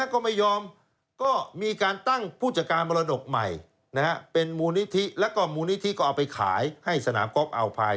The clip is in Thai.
ก็ไม่ยอมก็มีการตั้งผู้จัดการมรดกใหม่เป็นมูลนิธิแล้วก็มูลนิธิก็เอาไปขายให้สนามกอล์อัลพาย